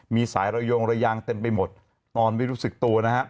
มีสายระยงระยางเต็มไปหมดตอนไม่รู้สึกตัวนะครับ